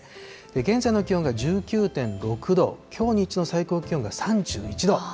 現在の気温が１９．６度、きょう日中の最高気温が３１度。